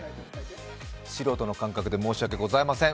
素人の感覚で申し訳ございません。